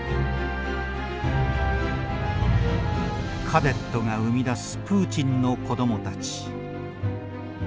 カデットが生み出すプーチンの子どもたち。